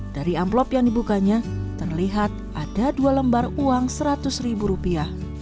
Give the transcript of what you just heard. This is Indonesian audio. dari amplop yang dibukanya terlihat ada dua lembar uang seratus ribu rupiah